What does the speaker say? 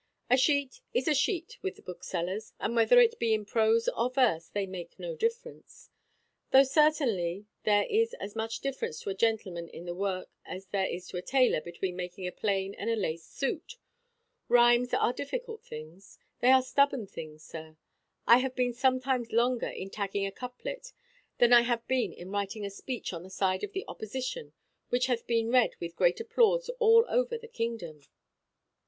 A sheet is a sheet with the booksellers; and, whether it be in prose or verse, they make no difference; though certainly there is as much difference to a gentleman in the work as there is to a taylor between making a plain and a laced suit. Rhimes are difficult things; they are stubborn things, sir. I have been sometimes longer in tagging a couplet than I have been in writing a speech on the side of the opposition which hath been read with great applause all over the kingdom."